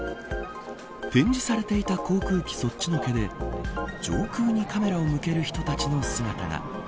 展示されていた航空機そっちのけで上空にカメラを向ける人たちの姿が。